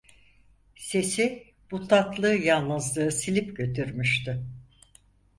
Sesi, bu tatlı yalnızlığı silip götürmüştü.